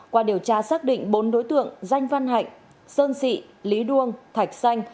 qua điều tra xác định bốn đối tượng danh văn hạnh sơn sị lý đuông thạch xanh